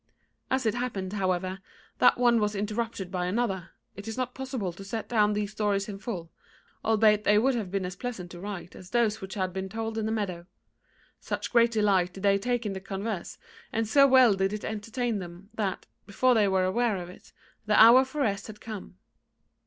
As it happened, however, that one was interrupted by another, it is not possible to set down these stories in full, albeit they would have been as pleasant to write as those which had been told in the meadow. Such great delight did they take in the converse, and so well did it entertain them, that, before they were aware of it, the hour for rest had come.